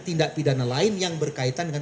tindak pidana lain yang berkaitan dengan